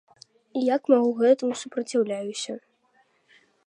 І як магу гэтаму супраціўляюся.